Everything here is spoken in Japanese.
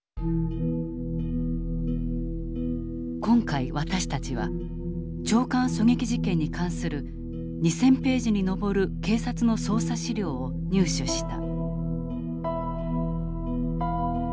今回私たちは長官狙撃事件に関する２，０００ページに上る警察の捜査資料を入手した。